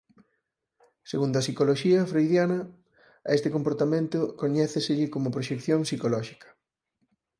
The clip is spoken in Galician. Segundo a psicoloxía freudiana a este comportamento coñéceselle como proxección psicolóxica.